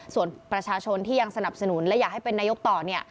ส่วนประชาชนที่ยังสนับสนุนและอยากให้เป็นนายกต่อ